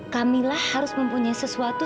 kamila harus mempunyai sesuatu